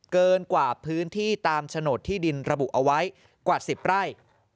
เกินกว่าพื้นที่ตามโฉนดที่ดินระบุเอาไว้กว่า๑๐ไร่